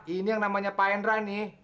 ini yang namanya pak hendra nih